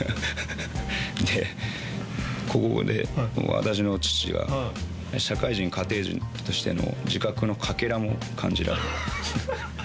で、ここで、私の父が、社会人、家庭人としての自覚のかけらも感じられない！